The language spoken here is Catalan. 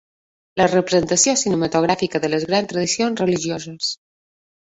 La representació cinematogràfica de les grans tradicions religioses.